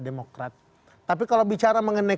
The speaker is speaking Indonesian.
demokrat tapi kalau bicara mengenai